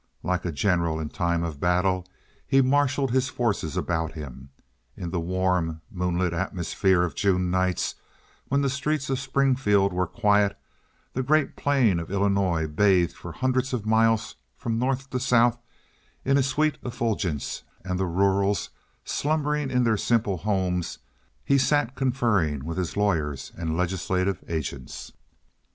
Like a general in time of battle, he marshaled his forces about him. In the warm, moonlit atmosphere of June nights when the streets of Springfield were quiet, the great plain of Illinois bathed for hundreds of miles from north to south in a sweet effulgence and the rurals slumbering in their simple homes, he sat conferring with his lawyers and legislative agents.